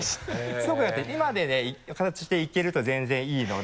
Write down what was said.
すごくよくて今の形でいけると全然いいので。